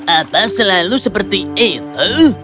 apa selalu seperti itu